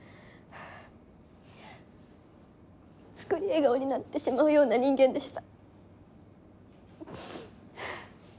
作り笑顔になってしまうような人間でした。